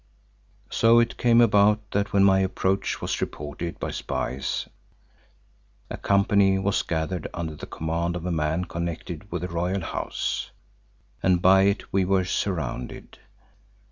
So it came about that when my approach was reported by spies, a company was gathered under the command of a man connected with the Royal House, and by it we were surrounded.